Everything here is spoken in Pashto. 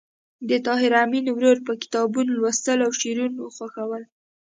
د طاهر آمین ورور به کتابونه لوستل او شعرونه خوښول